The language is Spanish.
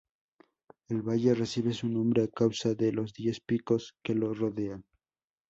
El valle recibe su nombre a causa de los diez picos que lo rodean.